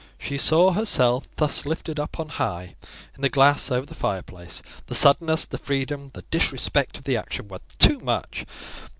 She saw herself thus lifted up on high, in the glass over the fireplace. The suddenness, the freedom, the disrespect of the action were too much.